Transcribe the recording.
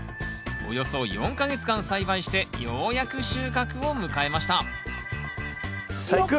およそ４か月間栽培してようやく収穫を迎えましたさあいく！